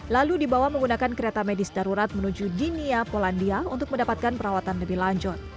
lalu dibawa menggunakan kereta medis darurat menuju dinia polandia untuk mendapatkan perawatan lebih lanjut